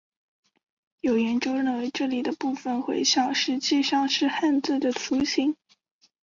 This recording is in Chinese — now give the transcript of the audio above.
有研究认为这里的部分绘像实际上是汉字的雏形。